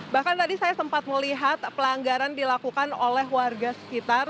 bahkan tadi saya sempat melihat pelanggaran dilakukan oleh warga sekitar